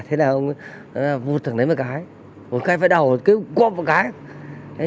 thế là ông vụt thẳng đấy một cái một cái phải đầu cứ quốc một cái